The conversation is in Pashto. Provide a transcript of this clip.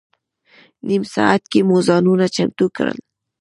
نیم ساعت کې مو ځانونه چمتو کړل.